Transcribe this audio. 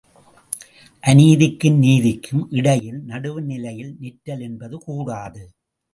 அநீதிக்கும் நீதிக்கும் இடையில் நடுவுநிலையில் நிற்றல் என்பது கூடாது.